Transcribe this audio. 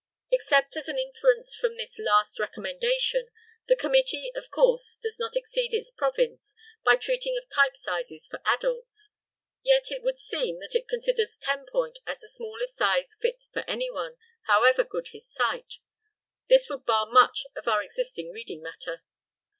Except as an inference from this last recommendation, the committee, of course, does not exceed its province by treating of type sizes for adults; yet it would seem that it considers ten point as the smallest size fit for anyone, however good his sight. This would bar much of our existing reading matter.